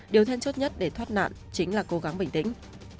điều then chốt nhất để thoát nạn chính là cố gắng bình tĩnh